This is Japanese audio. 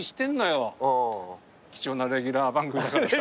貴重なレギュラー番組だからさ。